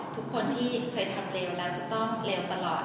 ทุกคนที่เคยทำเร็วแล้วจะต้องเร็วตลอด